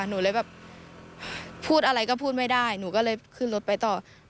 หนูเลยแบบพูดอะไรก็พูดไม่ได้หนูก็เลยขึ้นรถไปต่อ